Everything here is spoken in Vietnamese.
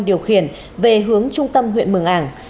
điều khiển về hướng trung tâm huyện mường ảng